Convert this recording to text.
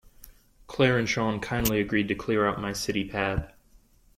Claire and Sean kindly agreed to clear out my city pad.